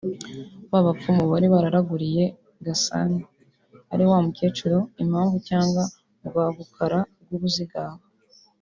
ba bapfumu bari bararaguriye Gasani (ari wa mukecuru Impamvu cyagwa bwa Bukara bw’Ubuzigaba)